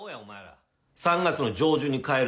３月の上旬に帰る。